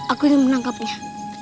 aku ingin menangkapnya